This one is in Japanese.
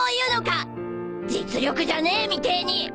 実力じゃねえみてえに！